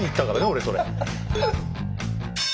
俺それ。